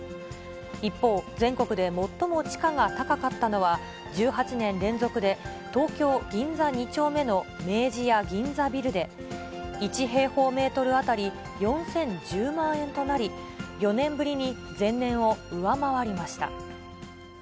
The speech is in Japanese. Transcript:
一方、全国で最も地価が高かったのは、１８年連続で東京・銀座２丁目の明治屋銀座ビルで、１平方メートル当たり４０１０万円となり、４年ぶりに前年を上回りました。